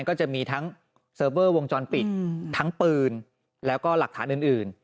ก็จะมีทั้งเซิร์ฟเวอร์วงจรปิดทั้งปืนแล้วก็หลักฐานอื่น